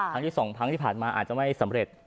ที่๒ครั้งที่ผ่านมาอาจจะไม่สำเร็จ